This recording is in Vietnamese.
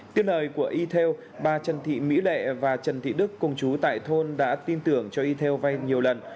tiếp lời của e tail bà trần thị mỹ lệ và trần thị đức cùng chú tại thôn đã tin tưởng cho e tail vay nhiều lần